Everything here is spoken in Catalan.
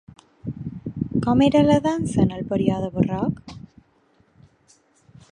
Com era la dansa en el període barroc?